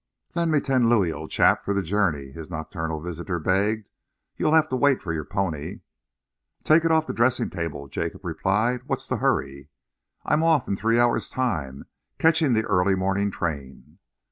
"Lend me ten louis, old chap, for the journey," his nocturnal visitor begged. "You'll have to wait for your pony." "Take it off the dressing table," Jacob replied. "What's the hurry?" "I'm off in three hours' time. Catching the early morning train."